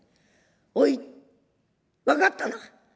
おい分かったな。